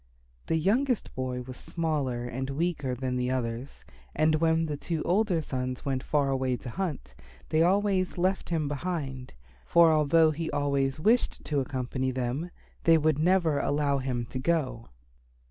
The youngest boy was smaller and weaker than the others, and when the two older sons went far away to hunt, they always left him behind, for although he always wished to accompany them they would never allow him to go.